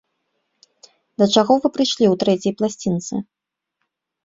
Да чаго вы прыйшлі ў трэцяй пласцінцы?